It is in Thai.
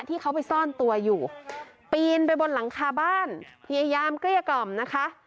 ที่เขาไปซ่อนตัวอยู่ปีนไปบนหลังคาบ้านพยายามเกลี้ยกล่อมนะคะ